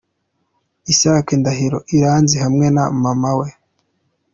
Isaac Ndahiro Iranzi hamwe na mama we.